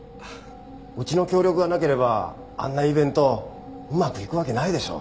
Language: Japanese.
うちの協力がなければあんなイベントうまくいくわけないでしょう。